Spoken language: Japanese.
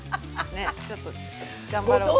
ちょっと頑張ろうと。